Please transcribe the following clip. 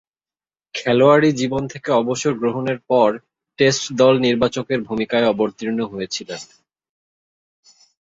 খেলোয়াড়ী জীবন থেকে অবসর গ্রহণের পর টেস্ট দল নির্বাচকের ভূমিকায় অবতীর্ণ হয়েছিলেন।